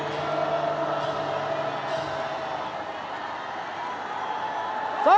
ดีปะ